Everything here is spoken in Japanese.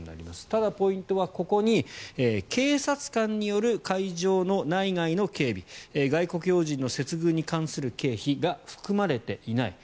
ただ、ポイントはここに警察官による会場の内外の警備外国要人の接遇に関する経費が含まれていない。